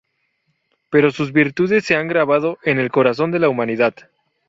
Pero sus virtudes se han grabado en el corazón de la humanidad.